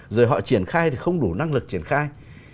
rồi họ triển khai thì không đủ năng lực triển khai